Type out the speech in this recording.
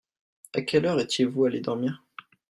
À quelle heure étiez-vous allés dormir ?